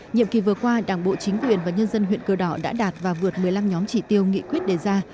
nhiệm kỳ vừa qua đảng bộ chính quyền và nhân dân huyện cờ đỏ đã đạt và vượt một mươi năm nhóm chỉ tiêu nghị quyết đề ra